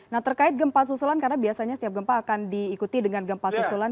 nah terkait gempa susulan karena biasanya setiap gempa akan diikuti dengan gempa susulan